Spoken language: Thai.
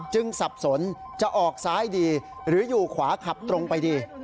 สับสนจะออกซ้ายดีหรืออยู่ขวาขับตรงไปดี